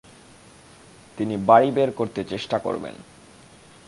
তিনি বাড়ি বের করতে চেষ্টা করবেন।